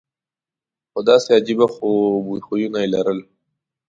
خو داسې عجیبه خویونه یې لرل.